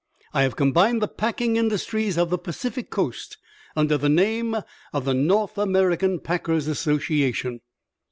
I have combined the packing industries of the Pacific Coast under the name of the North American Packers' Association."